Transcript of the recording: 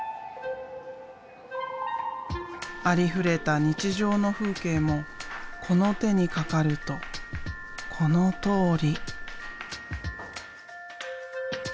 ありふれた日常の風景もこの手にかかるとこのとおり。